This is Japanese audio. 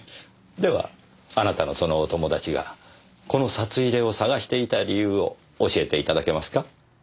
ではあなたのそのお友達がこの札入れを捜していた理由を教えていただけますか？